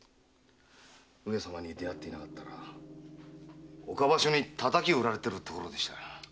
上様に出会っていなかったら岡場所に叩き売られてました。